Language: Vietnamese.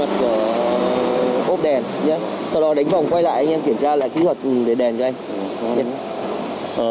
sau đó đánh vòng quay lại anh em kiểm tra lại kỹ thuật để đèn cho anh